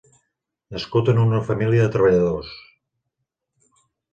Nascut en una família de treballadors.